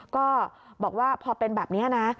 ก็บอกว่าพอเป็นแบบนี้นะ